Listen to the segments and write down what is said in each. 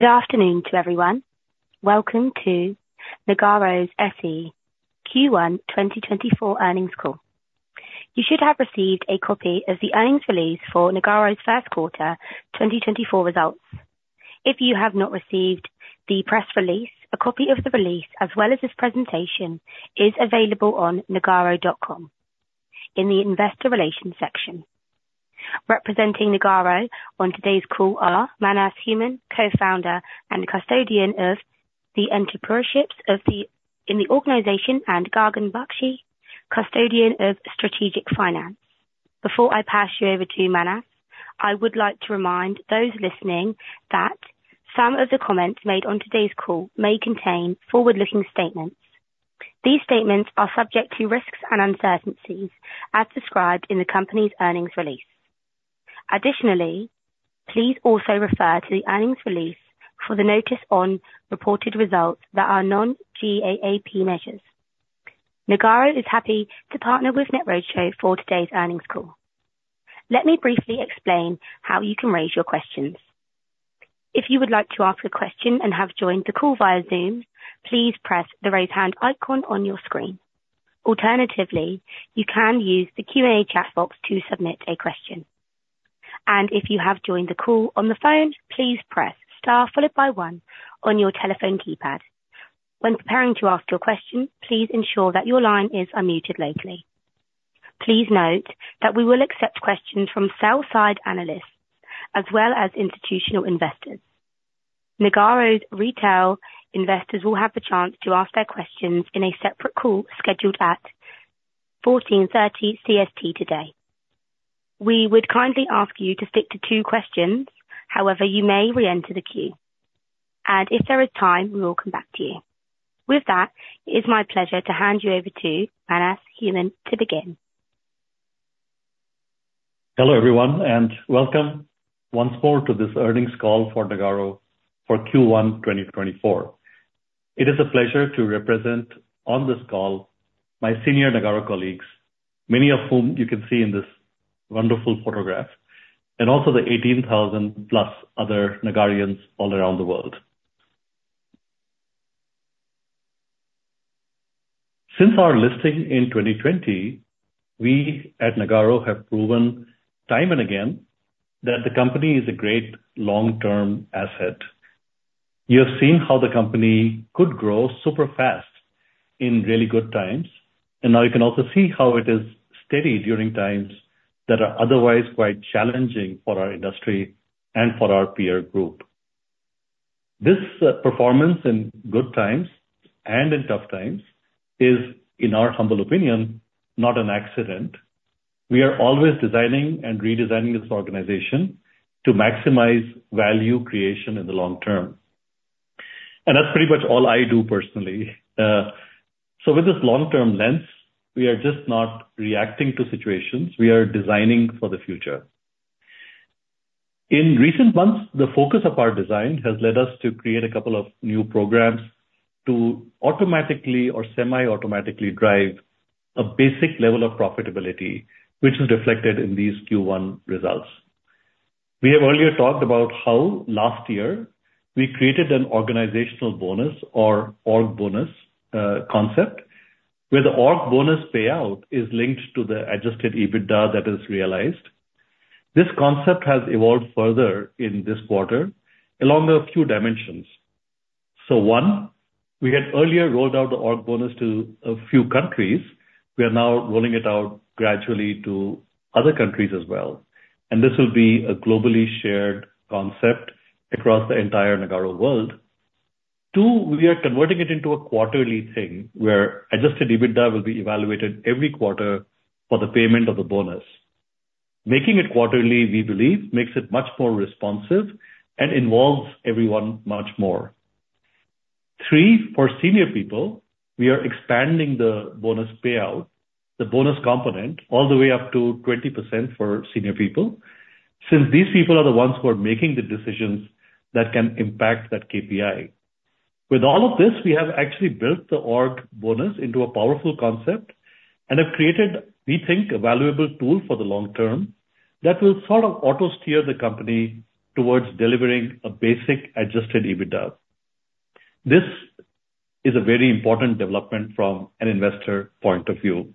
Good afternoon to everyone. Welcome to Nagarro SE Q1 2024 earnings call. You should have received a copy of the earnings release for Nagarro SE's first quarter 2024 results. If you have not received the press release, a copy of the release as well as this presentation is available on nagarro.com in the investor relations section. Representing Nagarro on today's call are Manas Human, Co-founder and Custodian of Entrepreneurship in the organization, and Gagan Bakshi, Custodian of Strategic Finance. Before I pass you over to Manas, I would like to remind those listening that some of the comments made on today's call may contain forward-looking statements. These statements are subject to risks and uncertainties as described in the company's earnings release. Additionally, please also refer to the earnings release for the notice on reported results that are non-GAAP measures. Nagarro is happy to partner with NetRoadshow for today's earnings call. Let me briefly explain how you can raise your questions. If you would like to ask a question and have joined the call via Zoom, please press the raise hand icon on your screen. Alternatively, you can use the Q&A chat box to submit a question. If you have joined the call on the phone, please press star followed by one on your telephone keypad. When preparing to ask your question, please ensure that your line is unmuted locally. Please note that we will accept questions from sell-side analysts as well as institutional investors. Nagarro's retail investors will have the chance to ask their questions in a separate call scheduled at 2:30 P.M. CEST today. We would kindly ask you to stick to two questions. However, you may re-enter the queue. If there is time, we will come back to you. With that, it is my pleasure to hand you over to Manas Human to begin. Hello everyone, and welcome once more to this earnings call for Nagarro for Q1 2024. It is a pleasure to represent on this call my senior Nagarro colleagues, many of whom you can see in this wonderful photograph, and also the 18,000+ other Nagarians all around the world. Since our listing in 2020, we at Nagarro have proven time and again that the company is a great long-term asset. You have seen how the company could grow super fast in really good times, and now you can also see how it is steady during times that are otherwise quite challenging for our industry and for our peer group. This performance in good times and in tough times is, in our humble opinion, not an accident. We are always designing and redesigning this organization to maximize value creation in the long term. And that's pretty much all I do personally. So with this long-term lens, we are just not reacting to situations. We are designing for the future. In recent months, the focus of our design has led us to create a couple of new programs to automatically or semi-automatically drive a basic level of profitability, which is reflected in these Q1 results. We have earlier talked about how last year we created an Organizational Bonus or Org Bonus concept, where the Org Bonus payout is linked to the adjusted EBITDA that is realized. This concept has evolved further in this quarter along a few dimensions. So one, we had earlier rolled out the Org Bonus to a few countries. We are now rolling it out gradually to other countries as well. And this will be a globally shared concept across the entire Nagarro world. Two, we are converting it into a quarterly thing where adjusted EBITDA will be evaluated every quarter for the payment of the bonus. Making it quarterly, we believe, makes it much more responsive and involves everyone much more. Three, for senior people, we are expanding the bonus payout, the bonus component, all the way up to 20% for senior people since these people are the ones who are making the decisions that can impact that KPI. With all of this, we have actually built the org bonus into a powerful concept and have created, we think, a valuable tool for the long term that will sort of auto-steer the company towards delivering a basic adjusted EBITDA. This is a very important development from an investor point of view.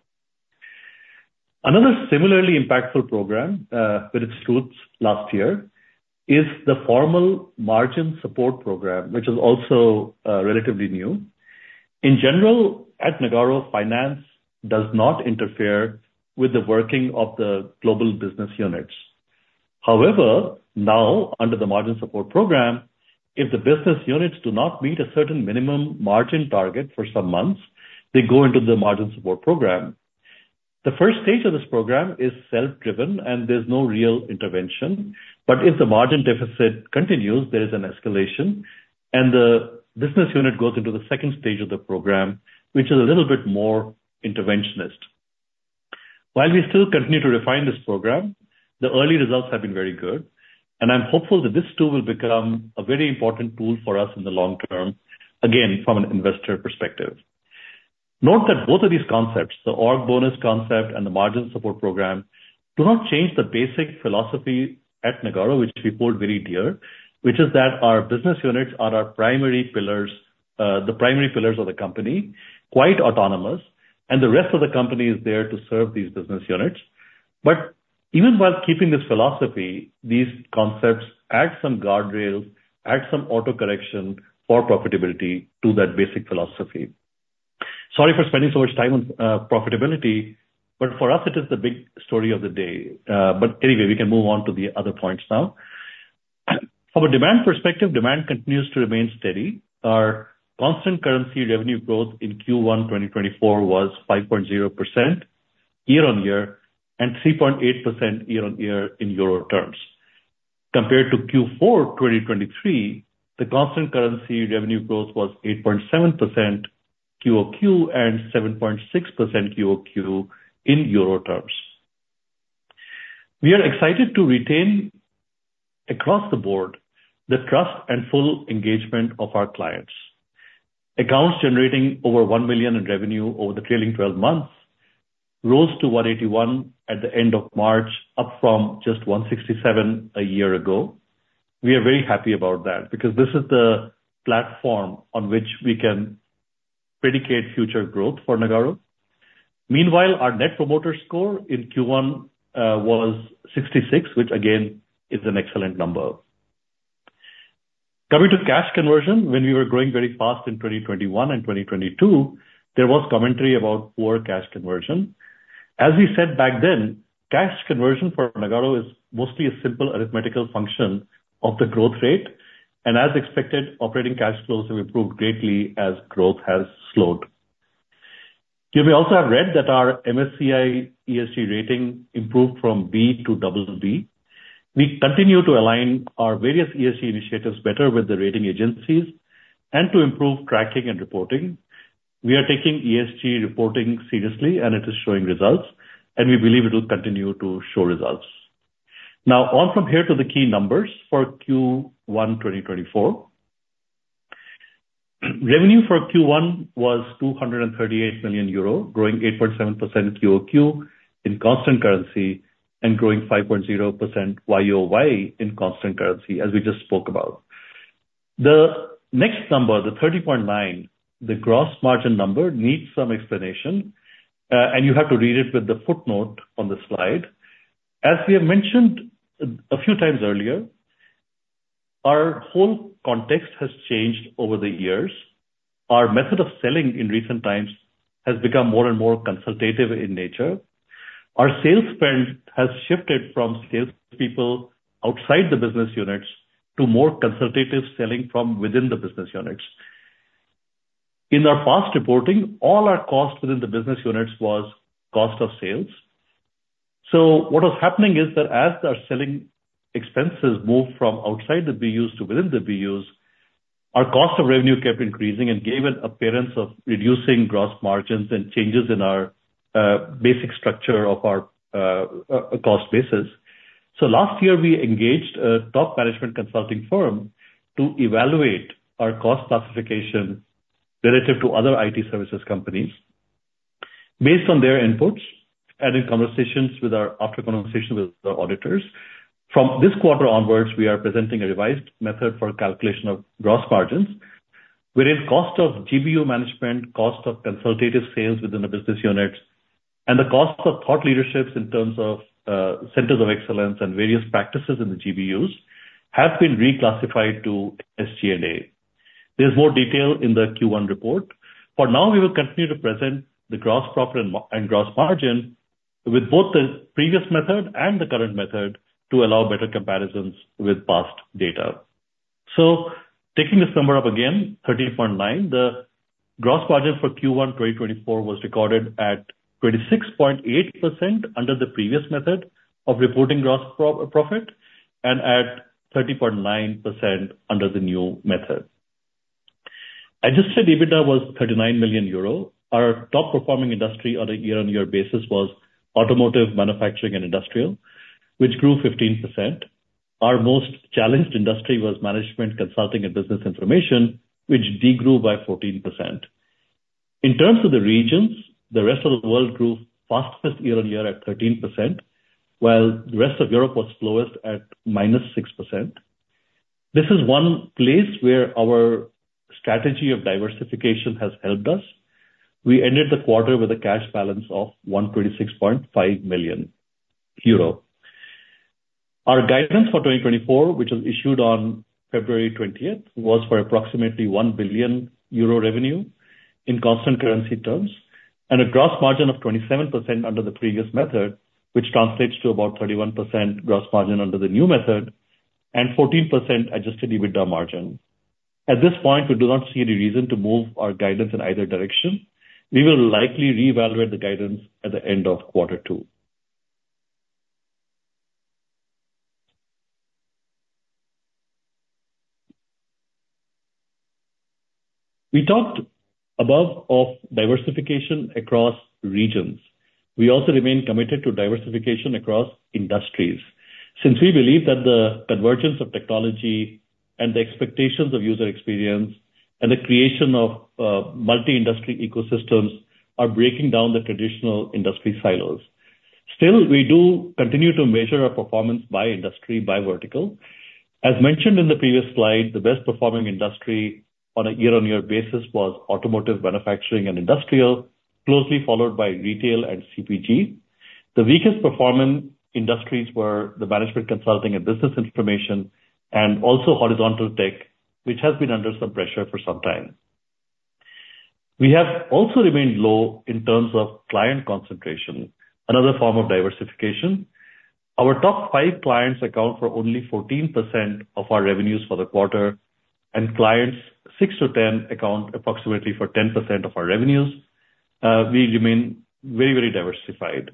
Another similarly impactful program with its roots last year is the formal margin support program, which is also relatively new. In general, at Nagarro, finance does not interfere with the working of the global business units. However, now under the Margin Support Program, if the business units do not meet a certain minimum margin target for some months, they go into the Margin Support Program. The first stage of this program is self-driven, and there's no real intervention. But if the margin deficit continues, there is an escalation, and the business unit goes into the second stage of the program, which is a little bit more interventionist. While we still continue to refine this program, the early results have been very good, and I'm hopeful that this too will become a very important tool for us in the long term, again, from an investor perspective. Note that both of these concepts, the org bonus concept and the Margin Support Program, do not change the basic philosophy at Nagarro, which we hold very dear, which is that our business units are the primary pillars of the company, quite autonomous, and the rest of the company is there to serve these business units. But even while keeping this philosophy, these concepts add some guardrails, add some auto-correction for profitability to that basic philosophy. Sorry for spending so much time on profitability, but for us, it is the big story of the day. But anyway, we can move on to the other points now. From a demand perspective, demand continues to remain steady. Our constant currency revenue growth in Q1 2024 was 5.0% year-over-year and 3.8% year-over-year in euro terms. Compared to Q4 2023, the constant currency revenue growth was 8.7% QoQ and 7.6% QoQ in euro terms. We are excited to retain across the board the trust and full engagement of our clients. Accounts generating over 1 million in revenue over the trailing 12 months rose to 181 at the end of March, up from just 167 a year ago. We are very happy about that because this is the platform on which we can predicate future growth for Nagarro. Meanwhile, our Net Promoter Score in Q1 was 66, which again is an excellent number. Coming to cash conversion, when we were growing very fast in 2021 and 2022, there was commentary about poor cash conversion. As we said back then, cash conversion for Nagarro is mostly a simple arithmetical function of the growth rate. As expected, operating cash flows have improved greatly as growth has slowed. You may also have read that our MSCI ESG rating improved from B to BB. We continue to align our various ESG initiatives better with the rating agencies and to improve tracking and reporting. We are taking ESG reporting seriously, and it is showing results, and we believe it will continue to show results. Now, on from here to the key numbers for Q1 2024. Revenue for Q1 was 238 million euro, growing 8.7% QoQ in constant currency and growing 5.0% YoY in constant currency, as we just spoke about. The next number, the 30.9, the gross margin number, needs some explanation, and you have to read it with the footnote on the slide. As we have mentioned a few times earlier, our whole context has changed over the years. Our method of selling in recent times has become more and more consultative in nature. Our sales spend has shifted from salespeople outside the business units to more consultative selling from within the business units. In our past reporting, all our cost within the business units was cost of sales. So what was happening is that as our selling expenses moved from outside the BUs to within the BUs, our cost of revenue kept increasing and gave an appearance of reducing gross margins and changes in our basic structure of our cost basis. So last year, we engaged a top management consulting firm to evaluate our cost classification relative to other IT services companies based on their inputs and after conversations with our auditors. From this quarter onwards, we are presenting a revised method for calculation of gross margins wherein cost of GBU management, cost of consultative sales within the business units, and the cost of thought leaderships in terms of centers of excellence and various practices in the GBUs have been reclassified to SG&A. There's more detail in the Q1 report. For now, we will continue to present the gross profit and gross margin with both the previous method and the current method to allow better comparisons with past data. So taking this number up again, 30.9, the gross margin for Q1 2024 was recorded at 26.8% under the previous method of reporting gross profit and at 30.9% under the new method. Adjusted EBITDA was 39 million euro. Our top performing industry on a year-on-year basis was Automotive, Manufacturing, and Industrial, which grew 15%. Our most challenged industry was Management, Consulting, and Business Information, which degrew by 14%. In terms of the regions, the rest of the world grew fastest year-on-year at 13%, while the rest of Europe was slowest at -6%. This is one place where our strategy of diversification has helped us. We ended the quarter with a cash balance of 126.5 million euro. Our guidance for 2024, which was issued on February 20th, was for approximately 1 billion euro revenue in constant currency terms and a gross margin of 27% under the previous method, which translates to about 31% gross margin under the new method and 14% adjusted EBITDA margin. At this point, we do not see any reason to move our guidance in either direction. We will likely reevaluate the guidance at the end of quarter two. We talked above of diversification across regions. We also remain committed to diversification across industries since we believe that the convergence of technology and the expectations of user experience and the creation of multi-industry ecosystems are breaking down the traditional industry silos. Still, we do continue to measure our performance by industry, by vertical. As mentioned in the previous slide, the best performing industry on a year-on-year basis was Automotive, Manufacturing, and Industrial, closely followed by Retail and CPG. The weakest performing industries were the Management, Consulting, and Business Information, and also Horizontal Tech, which has been under some pressure for some time. We have also remained low in terms of client concentration, another form of diversification. Our top five clients account for only 14% of our revenues for the quarter, and clients six to 10 account approximately for 10% of our revenues. We remain very, very diversified.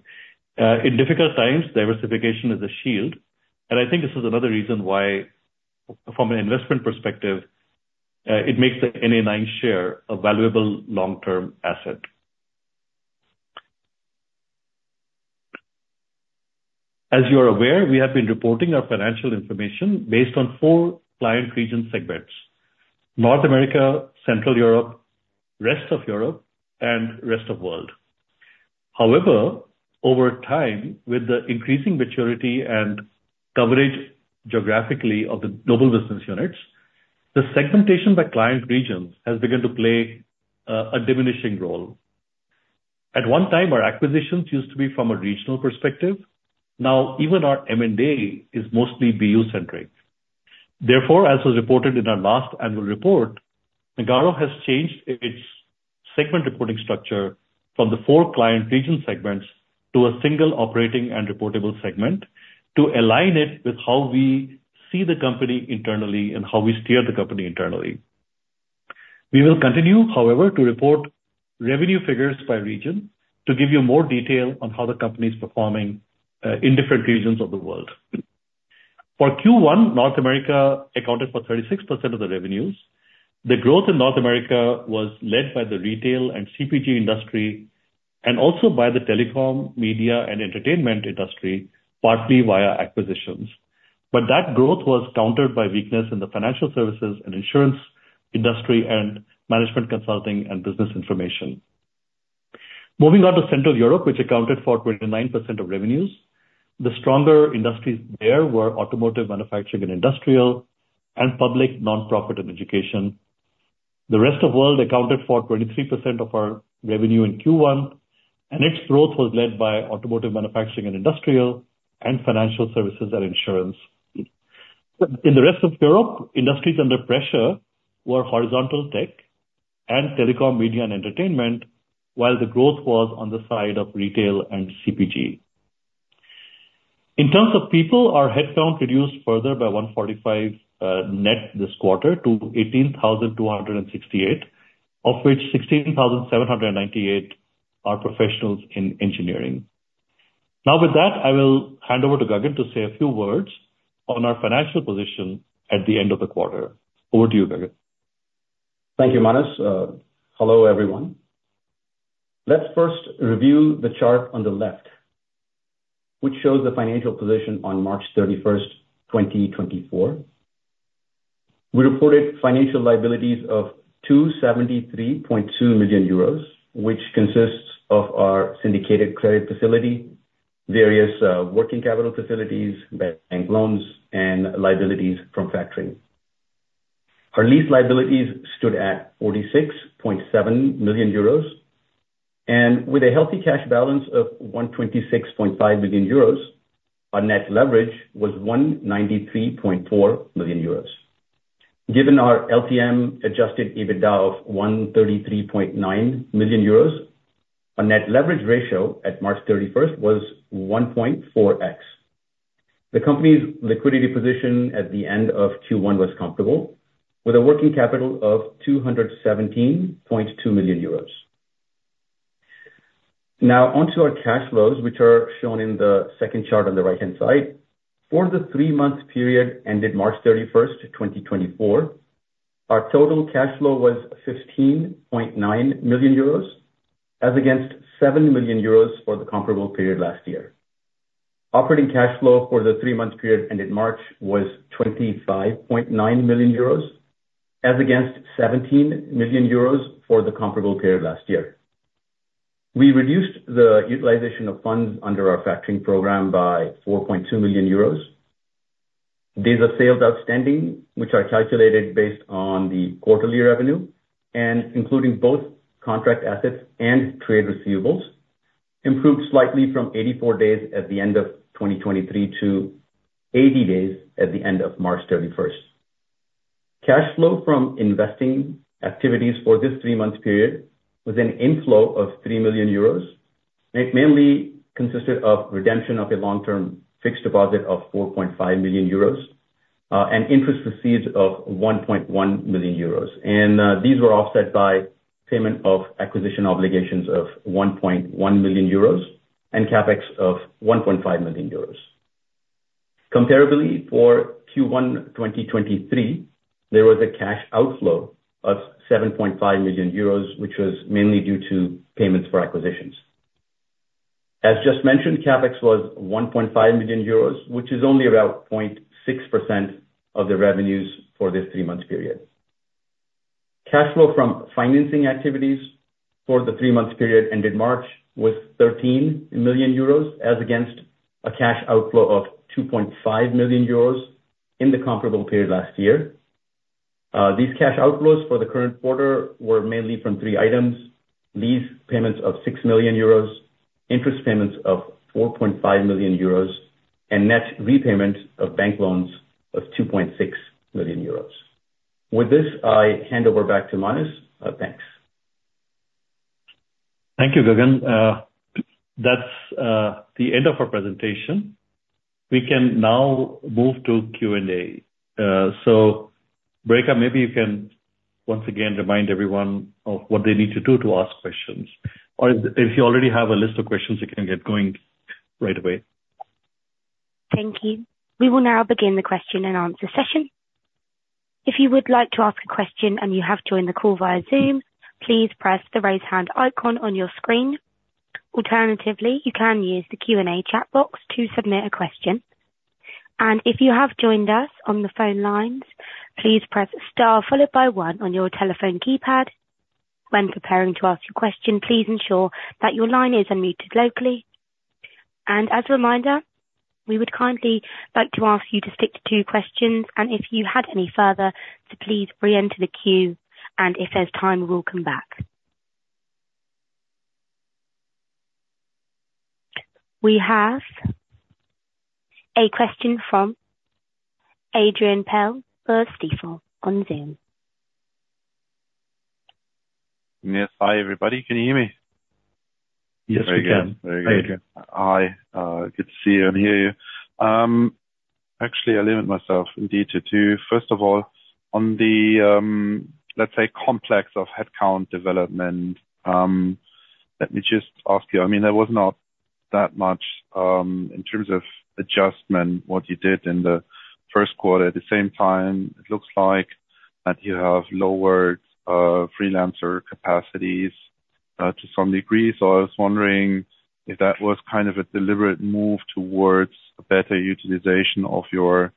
In difficult times, diversification is a shield. I think this is another reason why, from an investment perspective, it makes the NA9 share a valuable long-term asset. As you are aware, we have been reporting our financial information based on four client region segments: North America, Central Europe, rest of Europe, and Rest of the World. However, over time, with the increasing maturity and coverage geographically of the global business units, the segmentation by client regions has begun to play a diminishing role. At one time, our acquisitions used to be from a regional perspective. Now, even our M&A is mostly BU-centric. Therefore, as was reported in our last annual report, Nagarro has changed its segment reporting structure from the four client region segments to a single operating and reportable segment to align it with how we see the company internally and how we steer the company internally. We will continue, however, to report revenue figures by region to give you more detail on how the company is performing in different regions of the world. For Q1, North America accounted for 36% of the revenues. The growth in North America was led by the Retail and CPG industry and also by the Telecom, Media, and Entertainment industry, partly via acquisitions. That growth was countered by weakness in the Financial Services and Insurance industry and management consulting and business information. Moving on to Central Europe, which accounted for 29% of revenues, the stronger industries there were Automotive, Manufacturing, and Industrial, and Public, Nonprofit, and Education. The rest of the world accounted for 23% of our revenue in Q1, and its growth was led by Automotive, Manufacturing, and Industrial, and Financial Services and Insurance. In the rest of Europe, industries under pressure were Horizontal Tech and Telecom, Media, and Entertainment, while the growth was on the side of Retail and CPG. In terms of people, our headcount reduced further by 145 net this quarter to 18,268, of which 16,798 are professionals in engineering. Now, with that, I will hand over to Gagan to say a few words on our financial position at the end of the quarter. Over to you, Gagan. Thank you, Manas. Hello, everyone. Let's first review the chart on the left, which shows the financial position on March 31st, 2024. We reported financial liabilities of 273.2 million euros, which consists of our syndicated credit facility, various working capital facilities, bank loans, and liabilities from factoring. Our lease liabilities stood at 46.7 million euros. With a healthy cash balance of 126.5 million euros, our net leverage was 193.4 million euros. Given our LTM adjusted EBITDA of 133.9 million euros, our net leverage ratio at March 31st was 1.4x. The company's liquidity position at the end of Q1 was comfortable, with a working capital of 217.2 million euros. Now, onto our cash flows, which are shown in the second chart on the right-hand side. For the three-month period ended March 31st, 2024, our total cash flow was 15.9 million euros, as against 7 million euros for the comparable period last year. Operating cash flow for the three-month period ended March was 25.9 million euros, as against 17 million euros for the comparable period last year. We reduced the utilization of funds under our factoring program by 4.2 million euros. Days of sales outstanding, which are calculated based on the quarterly revenue and including both contract assets and trade receivables, improved slightly from 84 days at the end of 2023 to 80 days at the end of March 31st. Cash flow from investing activities for this three-month period was an inflow of 3 million euros, and it mainly consisted of redemption of a long-term fixed deposit of 4.5 million euros and interest receipts of 1.1 million euros. These were offset by payment of acquisition obligations of 1.1 million euros and CapEx of 1.5 million euros. Comparably, for Q1 2023, there was a cash outflow of 7.5 million euros, which was mainly due to payments for acquisitions. As just mentioned, CapEx was 1.5 million euros, which is only about 0.6% of the revenues for this three-month period. Cash flow from financing activities for the three-month period ended March was 13 million euros, as against a cash outflow of 2.5 million euros in the comparable period last year. These cash outflows for the current quarter were mainly from three items: lease payments of 6 million euros, interest payments of 4.5 million euros, and net repayment of bank loans of 2.6 million euros. With this, I hand over back to Manas. Thanks. Thank you, Gagan. That's the end of our presentation. We can now move to Q&A. So, Rekha, maybe you can once again remind everyone of what they need to do to ask questions. Or if you already have a list of questions, you can get going right away. Thank you. We will now begin the question and answer session. If you would like to ask a question and you have joined the call via Zoom, please press the raise hand icon on your screen. Alternatively, you can use the Q&A chat box to submit a question. If you have joined us on the phone lines, please press star followed by one on your telephone keypad. When preparing to ask your question, please ensure that your line is unmuted locally. As a reminder, we would kindly like to ask you to stick to two questions. If you had any further, please re-enter the queue. If there's time, we'll come back. We have a question from Adrian Pehl from Stifel on Zoom. Yes. Hi, everybody. Can you hear me? Yes, we can. Very good. Hi, Adrian. Hi. Good to see you and hear you. Actually, I limit myself indeed to two. First of all, on the, let's say, complex of headcount development, let me just ask you. I mean, there was not that much in terms of adjustment what you did in the first quarter. At the same time, it looks like that you have lowered freelancer capacities to some degree. So I was wondering if that was kind of a deliberate move towards a better utilization of your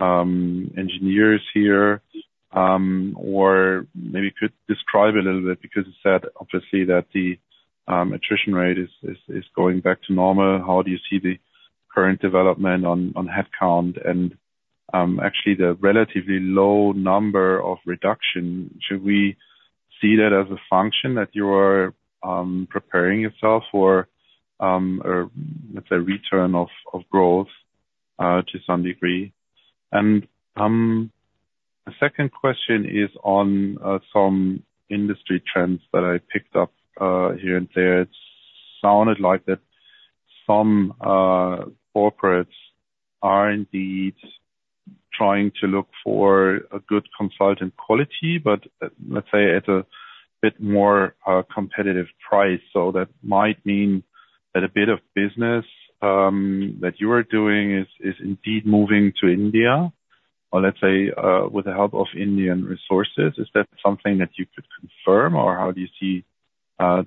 engineers here, or maybe could describe a little bit because you said, obviously, that the attrition rate is going back to normal. How do you see the current development on headcount and actually the relatively low number of reduction? Should we see that as a function that you are preparing yourself for, let's say, return of growth to some degree? The second question is on some industry trends that I picked up here and there. It sounded like that some corporates are indeed trying to look for a good consultant quality, but let's say at a bit more competitive price. So that might mean that a bit of business that you are doing is indeed moving to India or, let's say, with the help of Indian resources. Is that something that you could confirm, or how do you see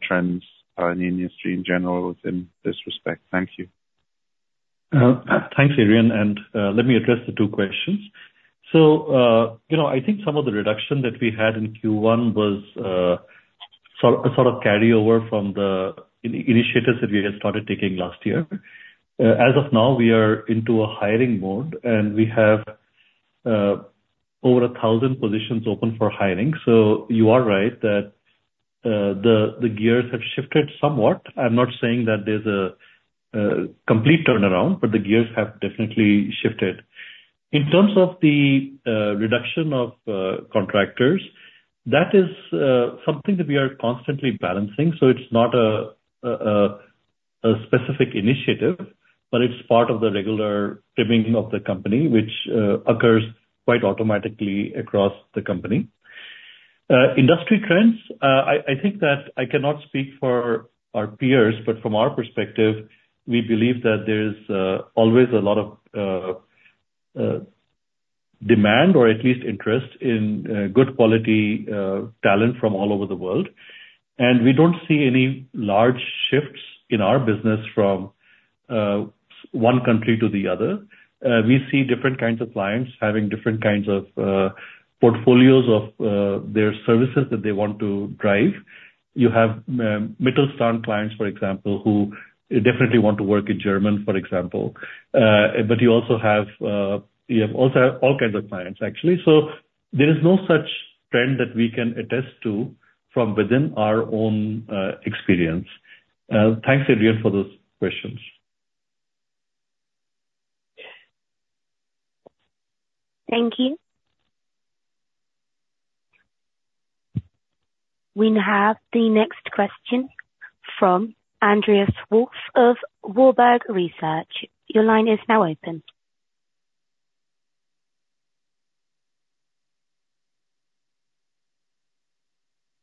trends in industry in general within this respect? Thank you. Thanks, Adrian. Let me address the two questions. I think some of the reduction that we had in Q1 was sort of carryover from the initiatives that we had started taking last year. As of now, we are into a hiring mode, and we have over 1,000 positions open for hiring. You are right that the gears have shifted somewhat. I'm not saying that there's a complete turnaround, but the gears have definitely shifted. In terms of the reduction of contractors, that is something that we are constantly balancing. It's not a specific initiative, but it's part of the regular trimming of the company, which occurs quite automatically across the company. Industry trends, I think that I cannot speak for our peers, but from our perspective, we believe that there is always a lot of demand or at least interest in good-quality talent from all over the world. And we don't see any large shifts in our business from one country to the other. We see different kinds of clients having different kinds of portfolios of their services that they want to drive. You have Mittelstand clients, for example, who definitely want to work in Germany, for example. But you also have all kinds of clients, actually. So there is no such trend that we can attest to from within our own experience. Thanks, Adrian, for those questions. Thank you. We have the next question from Andreas Wolf of Warburg Research. Your line is now open.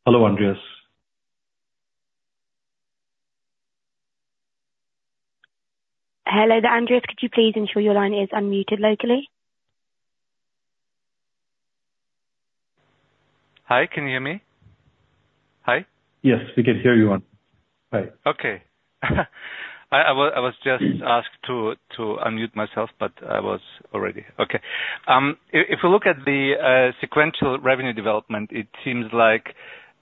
Hello, Andreas. Hello, Andreas. Could you please ensure your line is unmuted locally? Hi. Can you hear me? Hi. Yes, we can hear you on. Hi. Okay. I was just asked to unmute myself, but I was already. Okay. If we look at the sequential revenue development, it seems like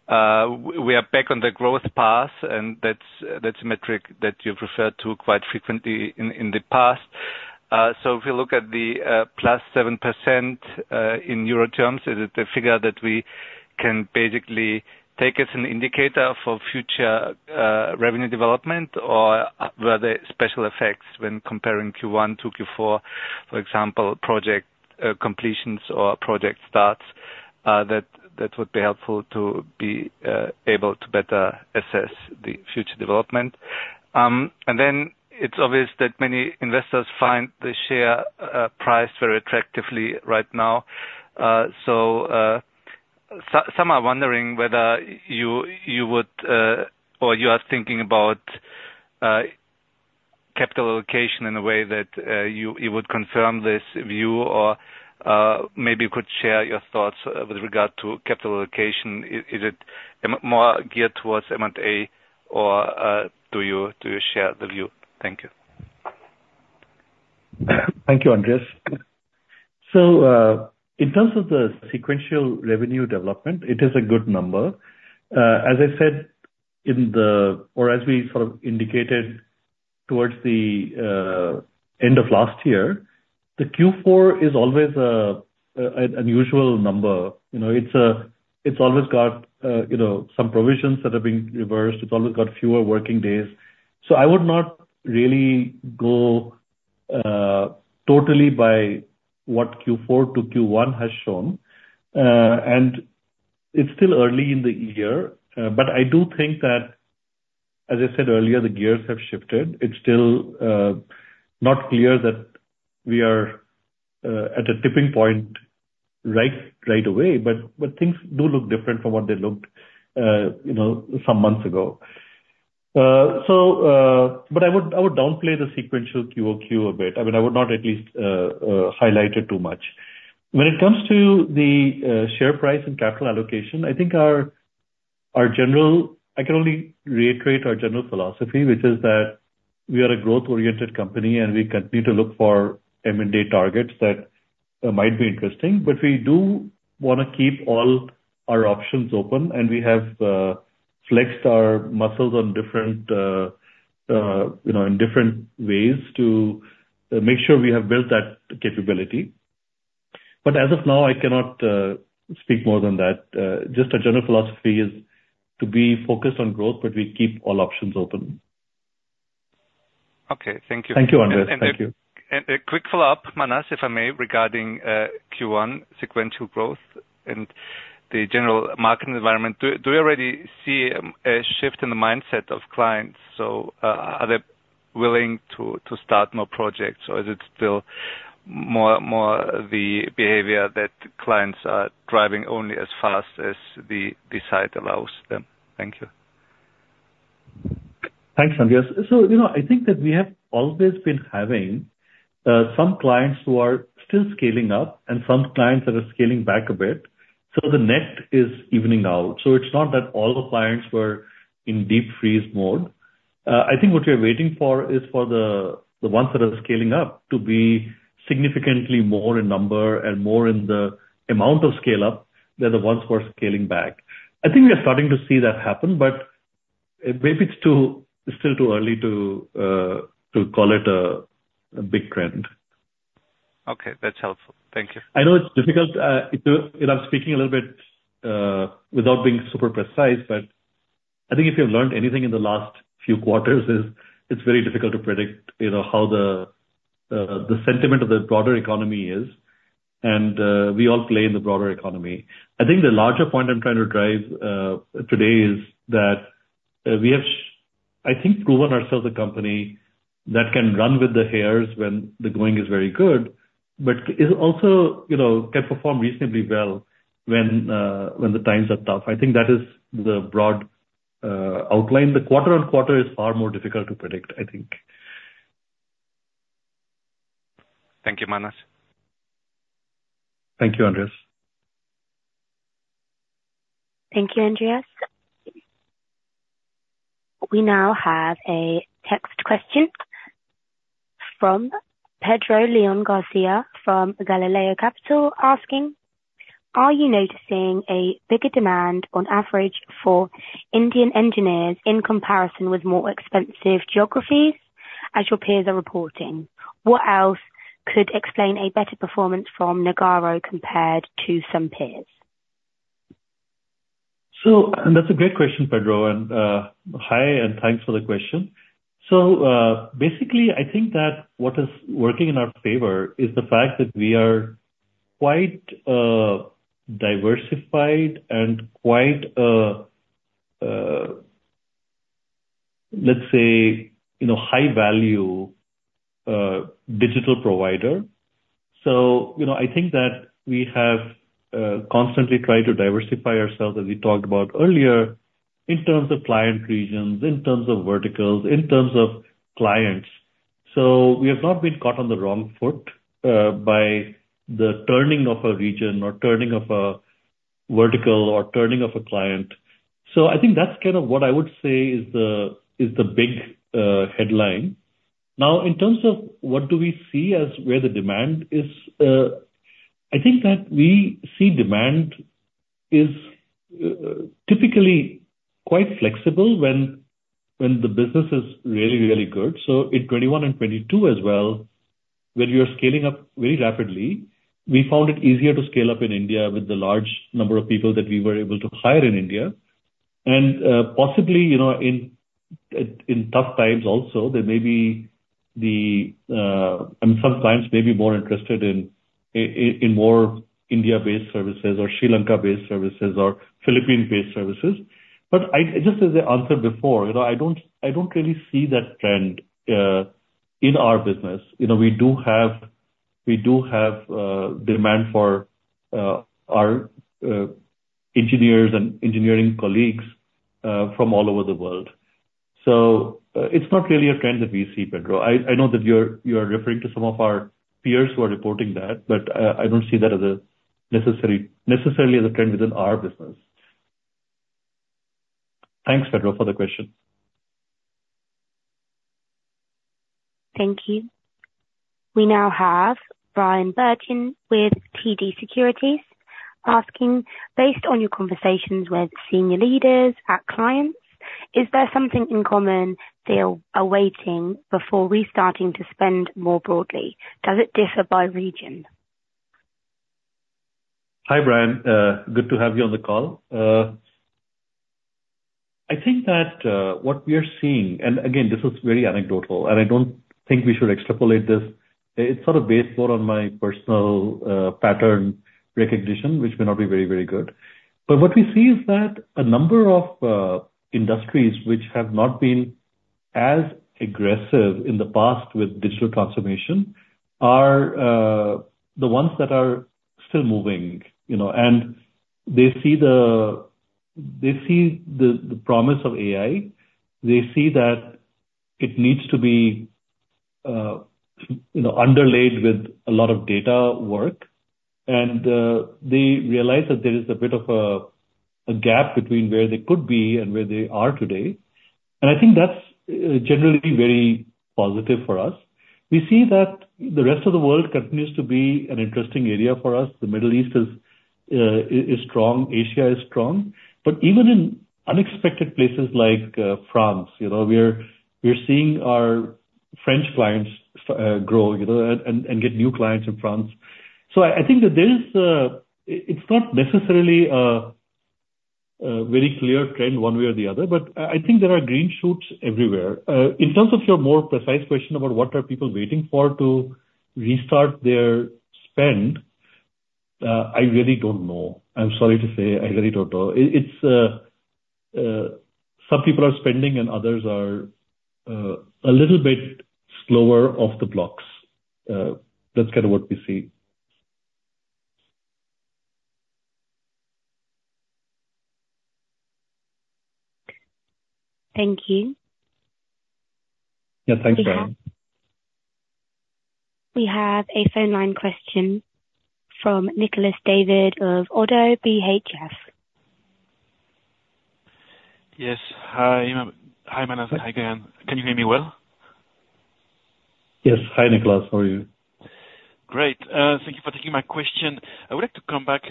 we are back on the growth path, and that's a metric that you've referred to quite frequently in the past. So if we look at the +7% in EUR terms, is it a figure that we can basically take as an indicator for future revenue development, or were there special effects when comparing Q1 to Q4, for example, project completions or project starts? That would be helpful to be able to better assess the future development. And then it's obvious that many investors find the share priced very attractively right now. Some are wondering whether you would or you are thinking about capital allocation in a way that you would confirm this view, or maybe you could share your thoughts with regard to capital allocation. Is it more geared towards M&A, or do you share the view? Thank you. Thank you, Andreas. So in terms of the sequential revenue development, it is a good number. As I said, or as we sort of indicated towards the end of last year, the Q4 is always an unusual number. It's always got some provisions that are being reversed. It's always got fewer working days. So I would not really go totally by what Q4 to Q1 has shown. And it's still early in the year. But I do think that, as I said earlier, the gears have shifted. It's still not clear that we are at a tipping point right away, but things do look different from what they looked some months ago. But I would downplay the sequential QoQ a bit. I mean, I would not at least highlight it too much. When it comes to the share price and capital allocation, I think I can only reiterate our general philosophy, which is that we are a growth-oriented company, and we continue to look for M&A targets that might be interesting. But we do want to keep all our options open, and we have flexed our muscles in different ways to make sure we have built that capability. But as of now, I cannot speak more than that. Just a general philosophy is to be focused on growth, but we keep all options open. Okay. Thank you. Thank you, Andreas. Thank you. A quick follow-up, Manas, if I may, regarding Q1 sequential growth and the general market environment. Do we already see a shift in the mindset of clients? So are they willing to start more projects? Or is it still more the behavior that clients are driving only as fast as the site allows them? Thank you. Thanks, Andreas. So I think that we have always been having some clients who are still scaling up and some clients that are scaling back a bit. So the net is evening out. So it's not that all the clients were in deep freeze mode. I think what we are waiting for is for the ones that are scaling up to be significantly more in number and more in the amount of scale-up than the ones who are scaling back. I think we are starting to see that happen, but maybe it's still too early to call it a big trend. Okay. That's helpful. Thank you. I know it's difficult. I'm speaking a little bit without being super precise, but I think if you have learned anything in the last few quarters, it's very difficult to predict how the sentiment of the broader economy is. And we all play in the broader economy. I think the larger point I'm trying to drive today is that we have, I think, proven ourselves a company that can run with the hares when the going is very good, but also can perform reasonably well when the times are tough. I think that is the broad outline. The quarter-on-quarter is far more difficult to predict, I think. Thank you, Manas. Thank you, Andreas. Thank you, Andreas. We now have a text question from Pedro Leon Garcia from Galileo Capital asking, "Are you noticing a bigger demand on average for Indian engineers in comparison with more expensive geographies, as your peers are reporting? What else could explain a better performance from Nagarro compared to some peers? So that's a great question, Pedro. And hi, and thanks for the question. So basically, I think that what is working in our favor is the fact that we are quite diversified and quite, let's say, high-value digital provider. So I think that we have constantly tried to diversify ourselves, as we talked about earlier, in terms of client regions, in terms of verticals, in terms of clients. So we have not been caught on the wrong foot by the turning of a region or turning of a vertical or turning of a client. So I think that's kind of what I would say is the big headline. Now, in terms of what do we see as where the demand is, I think that we see demand is typically quite flexible when the business is really, really good. So in 2021 and 2022 as well, when you're scaling up very rapidly, we found it easier to scale up in India with the large number of people that we were able to hire in India. And possibly, in tough times also, there may be the, I mean, some clients may be more interested in more India-based services or Sri Lanka-based services or Philippines-based services. But just as I answered before, I don't really see that trend in our business. We do have demand for our engineers and engineering colleagues from all over the world. So it's not really a trend that we see, Pedro. I know that you are referring to some of our peers who are reporting that, but I don't see that necessarily as a trend within our business. Thanks, Pedro, for the question. Thank you. We now have Bryan Bergin with TD Securities asking, "Based on your conversations with senior leaders at clients, is there something in common they are awaiting before restarting to spend more broadly? Does it differ by region? Hi, Bryan. Good to have you on the call. I think that what we are seeing and again, this is very anecdotal, and I don't think we should extrapolate this. It's sort of based more on my personal pattern recognition, which may not be very, very good. But what we see is that a number of industries which have not been as aggressive in the past with digital transformation are the ones that are still moving. And they see the promise of AI. They see that it needs to be underlaid with a lot of data work. And they realize that there is a bit of a gap between where they could be and where they are today. And I think that's generally very positive for us. We see that the rest of the world continues to be an interesting area for us. The Middle East is strong. Asia is strong. But even in unexpected places like France, we're seeing our French clients grow and get new clients in France. So I think that it's not necessarily a very clear trend one way or the other, but I think there are green shoots everywhere. In terms of your more precise question about what are people waiting for to restart their spend, I really don't know. I'm sorry to say. I really don't know. Some people are spending, and others are a little bit slower off the blocks. That's kind of what we see. Thank you. Yeah. Thanks, Bryan. We have a phone line question from Nicolas David of Oddo BHF. Yes. Hi, Manas. Hi again. Can you hear me well? Yes. Hi, Nicolas. How are you? Great. Thank you for taking my question. I would like to come back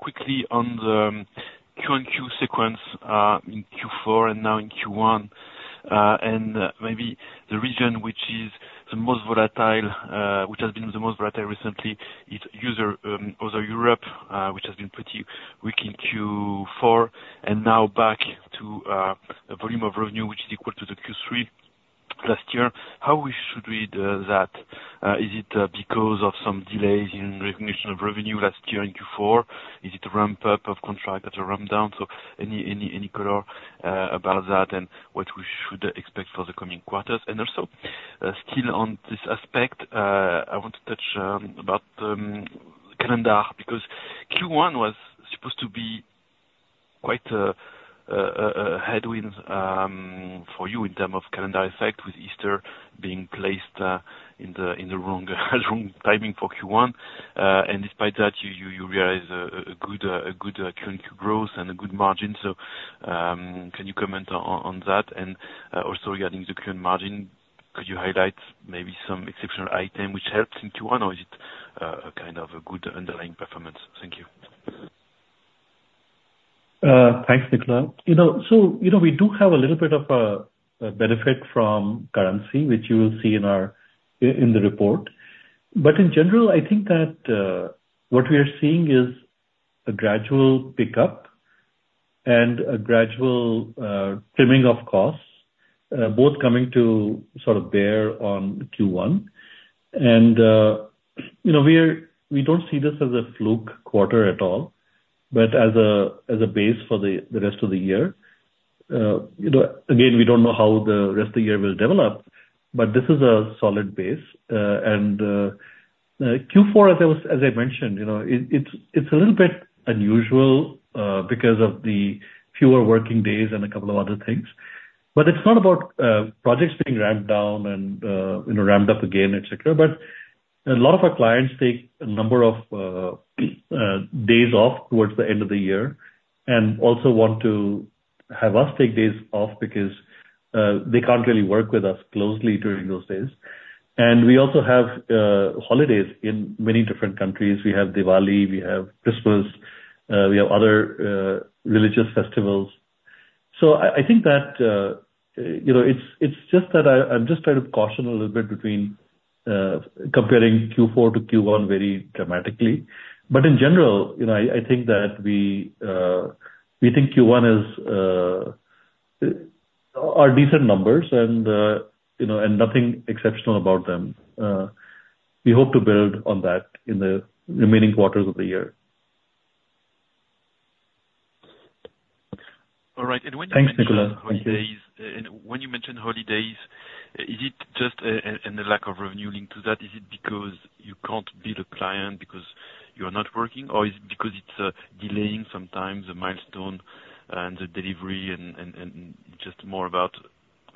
quickly on the QoQ sequence in Q4 and now in Q1 and maybe the region which is the most volatile which has been the most volatile recently is Rest of Europe, which has been pretty weak in Q4 and now back to a volume of revenue which is equal to the Q3 last year. How should we read that? Is it because of some delays in recognition of revenue last year in Q4? Is it a ramp-up of contract or a ramp-down? So any color about that and what we should expect for the coming quarters. Also still on this aspect, I want to touch about the calendar because Q1 was supposed to be quite a headwind for you in terms of calendar effect with Easter being placed in the wrong timing for Q1. Despite that, you realized a good QoQ growth and a good margin. Can you comment on that? Also regarding the current margin, could you highlight maybe some exceptional item which helped in Q1, or is it kind of a good underlying performance? Thank you. Thanks, Nicolas. So we do have a little bit of a benefit from currency, which you will see in the report. But in general, I think that what we are seeing is a gradual pickup and a gradual trimming of costs, both coming to sort of bear on Q1. And we don't see this as a fluke quarter at all, but as a base for the rest of the year. Again, we don't know how the rest of the year will develop, but this is a solid base. And Q4, as I mentioned, it's a little bit unusual because of the fewer working days and a couple of other things. But it's not about projects being ramped down and ramped up again, etc. But a lot of our clients take a number of days off towards the end of the year and also want to have us take days off because they can't really work with us closely during those days. And we also have holidays in many different countries. We have Diwali. We have Christmas. We have other religious festivals. So I think that it's just that I'm just trying to caution a little bit between comparing Q4 to Q1 very dramatically. But in general, I think that we think Q1 are decent numbers and nothing exceptional about them. We hope to build on that in the remaining quarters of the year. All right. When you mentioned holidays. Thanks, Nicholas. Holidays. And when you mentioned holidays, is it just in the lack of revenue linked to that? Is it because you can't be the client because you are not working, or is it because it's delaying sometimes the milestone and the delivery and just more about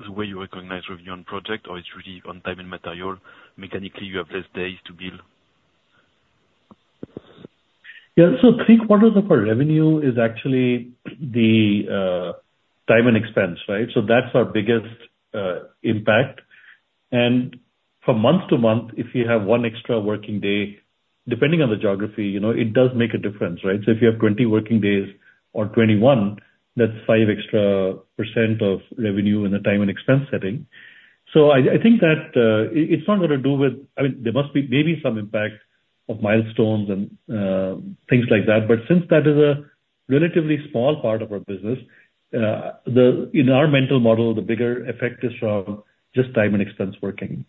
the way you recognize revenue on project, or it's really on time and material? Mechanically, you have less days to build. Yeah. So three-quarters of our revenue is actually the time and expense, right? So that's our biggest impact. And from month to month, if you have one extra working day, depending on the geography, it does make a difference, right? So if you have 20 working days or 21, that's 5% extra of revenue in the time and expense setting. So I think that it's not going to do with I mean, there must be maybe some impact of milestones and things like that. But since that is a relatively small part of our business, in our mental model, the bigger effect is from just time and expense working.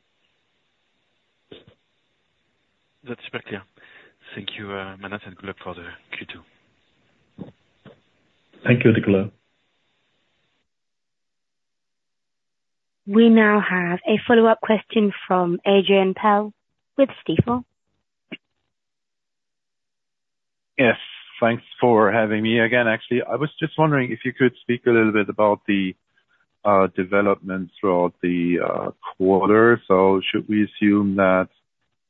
That's fair. Thank you, Manas, and good luck for the Q2. Thank you, Nicolas. We now have a follow-up question from Adrian Pehl with Stifel. Yes. Thanks for having me again, actually. I was just wondering if you could speak a little bit about the developments throughout the quarter. So should we assume that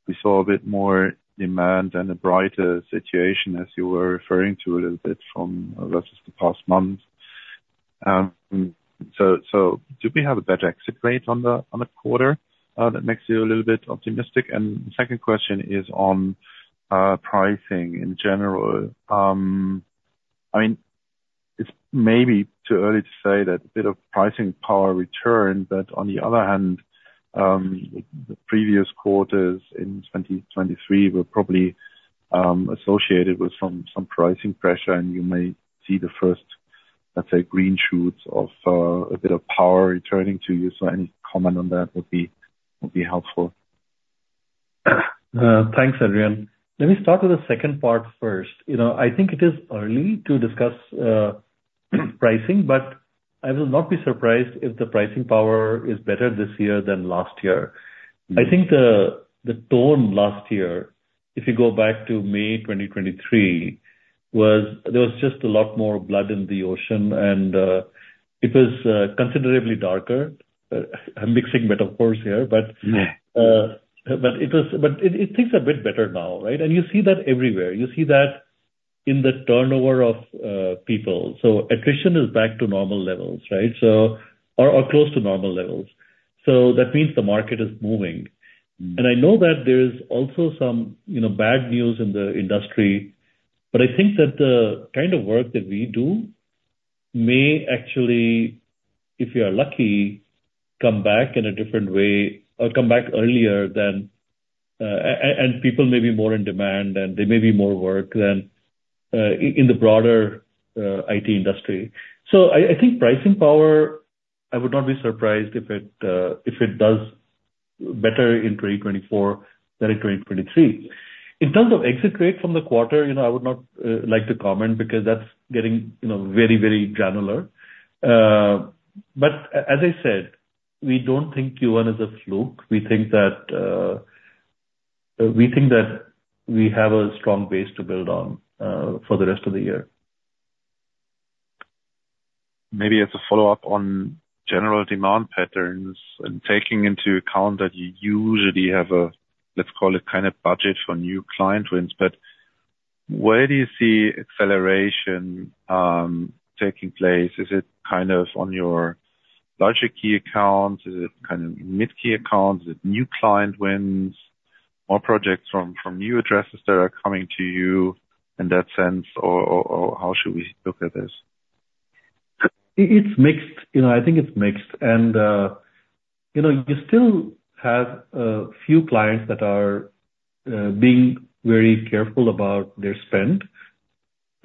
we saw a bit more demand and a brighter situation, as you were referring to a little bit from versus the past month? So do we have a better exit rate on a quarter that makes you a little bit optimistic? And the second question is on pricing in general. I mean, it's maybe too early to say that a bit of pricing power return. But on the other hand, the previous quarters in 2023 were probably associated with some pricing pressure, and you may see the first, let's say, green shoots of a bit of power returning to you. So any comment on that would be helpful. Thanks, Adrian. Let me start with the second part first. I think it is early to discuss pricing, but I will not be surprised if the pricing power is better this year than last year. I think the tone last year, if you go back to May 2023, was. There was just a lot more blood in the ocean, and it was considerably darker. I'm mixing metaphors here. But it was, but things are a bit better now, right? And you see that everywhere. You see that in the turnover of people. So attrition is back to normal levels, right, or close to normal levels. So that means the market is moving. And I know that there is also some bad news in the industry, but I think that the kind of work that we do may actually, if we are lucky, come back in a different way or come back earlier than and people may be more in demand, and there may be more work than in the broader IT industry. So I think pricing power, I would not be surprised if it does better in 2024 than in 2023. In terms of exit rate from the quarter, I would not like to comment because that's getting very, very granular. But as I said, we don't think Q1 is a fluke. We think that we have a strong base to build on for the rest of the year. Maybe as a follow-up on general demand patterns and taking into account that you usually have a, let's call it, kind of budget for new client wins, but where do you see acceleration taking place? Is it kind of on your larger key accounts? Is it kind of mid-key accounts? Is it new client wins or projects from new addresses that are coming to you in that sense, or how should we look at this? It's mixed. I think it's mixed. And you still have a few clients that are being very careful about their spend.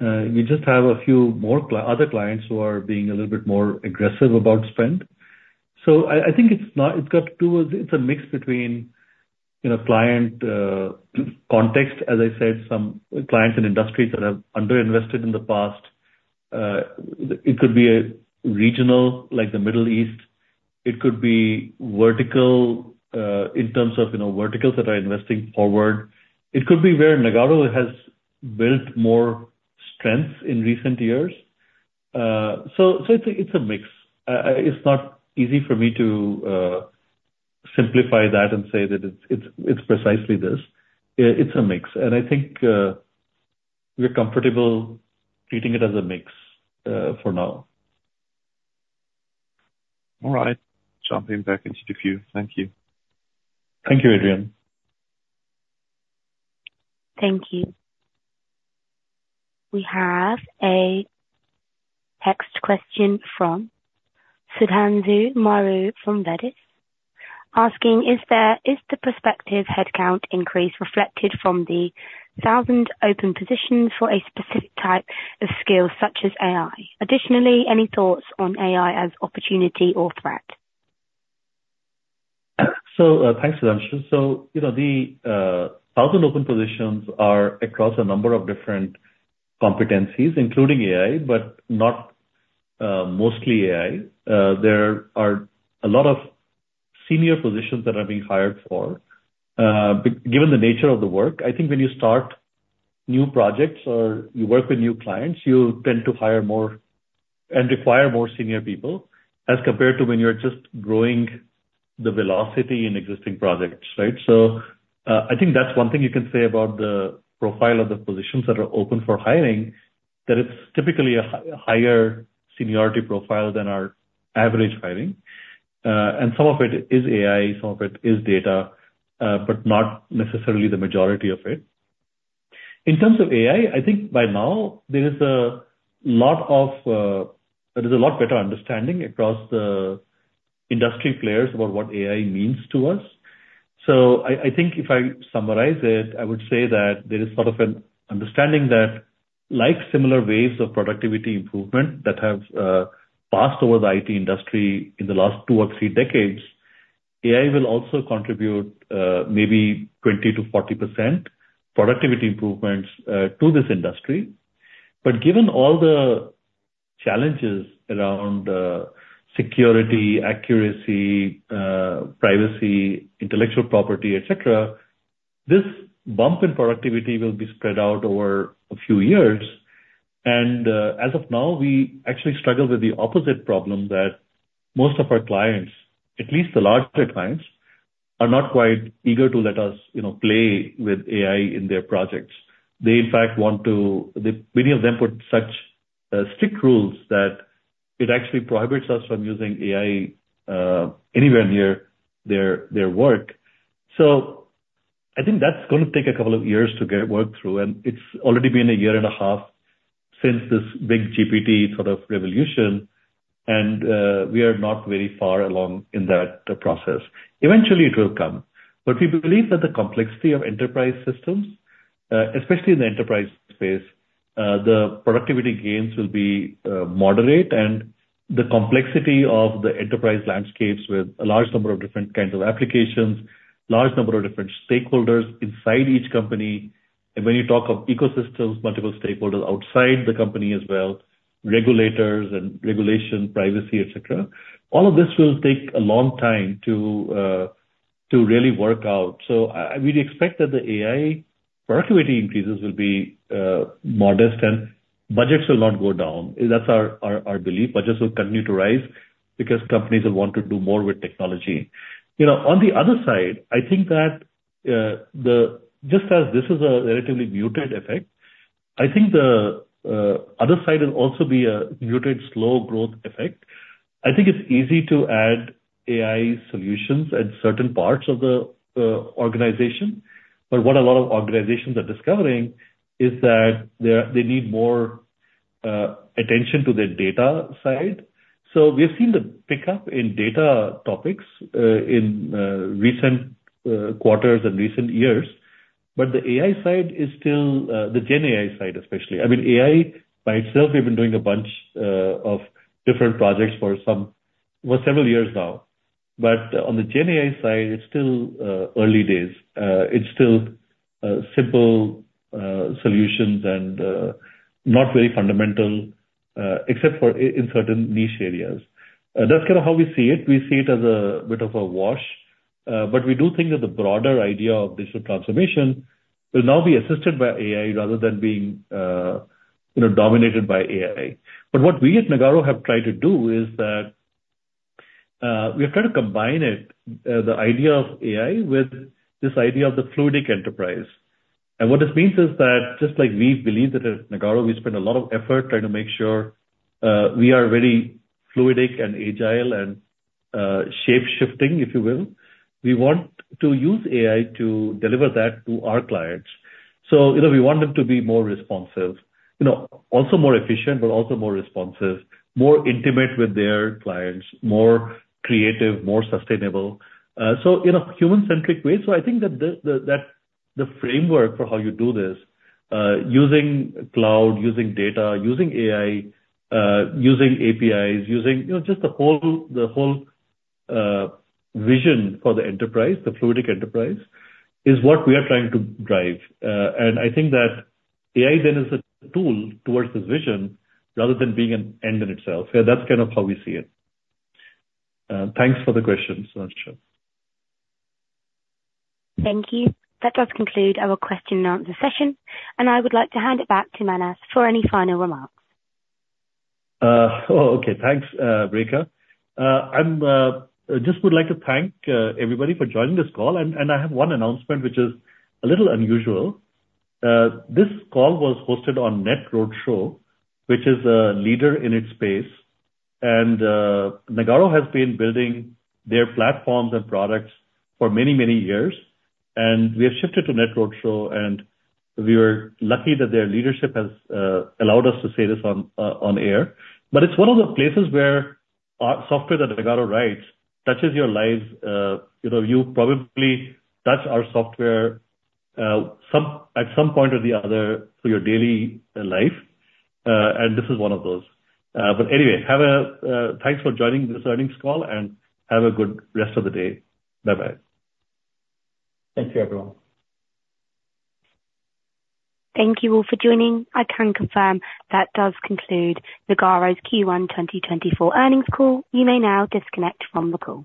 You just have a few other clients who are being a little bit more aggressive about spend. So I think it's got to do with it's a mix between client context, as I said, some clients and industries that have underinvested in the past. It could be regional, like the Middle East. It could be vertical in terms of verticals that are investing forward. It could be where Nagarro has built more strength in recent years. So it's a mix. It's not easy for me to simplify that and say that it's precisely this. It's a mix. And I think we're comfortable treating it as a mix for now. All right. Jumping back into the queue. Thank you. Thank you, Adrian. Thank you. We have a text question from Sudhanshoo Maroo from Veddis asking, "Is the prospective headcount increase reflected from the 1,000 open positions for a specific type of skill such as AI? Additionally, any thoughts on AI as opportunity or threat? So thanks, Sudhanshoo. So the 1,000 open positions are across a number of different competencies, including AI, but not mostly AI. There are a lot of senior positions that are being hired for. Given the nature of the work, I think when you start new projects or you work with new clients, you tend to hire more and require more senior people as compared to when you're just growing the velocity in existing projects, right? So I think that's one thing you can say about the profile of the positions that are open for hiring, that it's typically a higher seniority profile than our average hiring. And some of it is AI. Some of it is data, but not necessarily the majority of it. In terms of AI, I think by now, there is a lot better understanding across the industry players about what AI means to us. So I think if I summarize it, I would say that there is sort of an understanding that like similar waves of productivity improvement that have passed over the IT industry in the last two or three decades, AI will also contribute maybe 20%-40% productivity improvements to this industry. But given all the challenges around security, accuracy, privacy, intellectual property, etc., this bump in productivity will be spread out over a few years. As of now, we actually struggle with the opposite problem that most of our clients, at least the larger clients, are not quite eager to let us play with AI in their projects. They, in fact, want too many of them to put such strict rules that it actually prohibits us from using AI anywhere near their work. So I think that's going to take a couple of years to get worked through. And it's already been a year and a half since this big GPT sort of revolution, and we are not very far along in that process. Eventually, it will come. But we believe that the complexity of enterprise systems, especially in the enterprise space, the productivity gains will be moderate. And the complexity of the enterprise landscapes with a large number of different kinds of applications, large number of different stakeholders inside each company. And when you talk of ecosystems, multiple stakeholders outside the company as well, regulators and regulation, privacy, etc., all of this will take a long time to really work out. So we expect that the AI per capita increases will be modest, and budgets will not go down. That's our belief. Budgets will continue to rise because companies will want to do more with technology. On the other side, I think that just as this is a relatively muted effect, I think the other side will also be a muted, slow growth effect. I think it's easy to add AI solutions at certain parts of the organization. But what a lot of organizations are discovering is that they need more attention to their data side. So we have seen the pickup in data topics in recent quarters and recent years. But the AI side is still the GenAI side, especially. I mean, AI by itself, we've been doing a bunch of different projects for several years now. But on the GenAI side, it's still early days. It's still simple solutions and not very fundamental except for in certain niche areas. That's kind of how we see it. We see it as a bit of a wash. But we do think that the broader idea of digital transformation will now be assisted by AI rather than being dominated by AI. But what we at Nagarro have tried to do is that we have tried to combine the idea of AI with this idea of the fluidic enterprise. And what this means is that just like we believe that at Nagarro, we spend a lot of effort trying to make sure we are very fluidic and agile and shape-shifting, if you will, we want to use AI to deliver that to our clients. So we want them to be more responsive, also more efficient, but also more responsive, more intimate with their clients, more creative, more sustainable, so in a human-centric way. So I think that the framework for how you do this, using cloud, using data, using AI, using APIs, using just the whole vision for the enterprise, the Fluidic Enterprise, is what we are trying to drive. And I think that AI then is a tool towards this vision rather than being an end in itself. That's kind of how we see it. Thanks for the question, Sudhanshoo. Thank you. That does conclude our question and answer session. I would like to hand it back to Manas for any final remarks. Oh, okay. Thanks, Rekha. I just would like to thank everybody for joining this call. I have one announcement which is a little unusual. This call was hosted on NetRoadshow, which is a leader in its space. Nagarro has been building their platforms and products for many, many years. We have shifted to NetRoadshow. We were lucky that their leadership has allowed us to say this on air. But it's one of the places where software that Nagarro writes touches your lives. You probably touch our software at some point or the other through your daily life. This is one of those. But anyway, thanks for joining this earnings call, and have a good rest of the day. Bye-bye. Thank you, everyone. Thank you all for joining. I can confirm that does conclude Nagarro's Q1 2024 earnings call. You may now disconnect from the call.